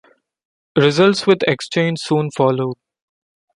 Results with exchange soon followed.